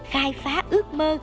khai phá ước mơ